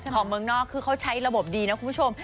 ของเมืองนอกคือเขาใช้ระบบดีนะคุณผู้ชม